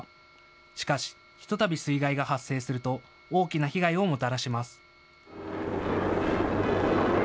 しかし、ひとたび水害が発生すると大きな被害をもたらします。